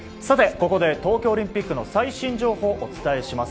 ここで東京オリンピックの最新情報をお伝えします。